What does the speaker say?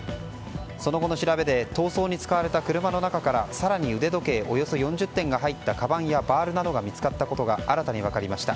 その後の調べで逃走に使われた車の中から更に腕時計およそ４０点が入ったかばんが見つかったことが新たに分かりました。